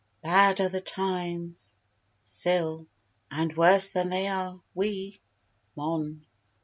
Bad are the times. SIL. And worse than they are we. MON.